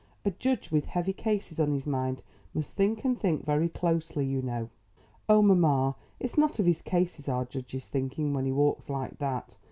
A judge with heavy cases on his mind must think and think very closely, you know." "Oh, mamma, it's not of his cases our judge is thinking when he walks like that.